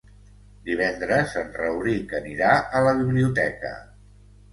Divendres en Rauric anirà a la biblioteca.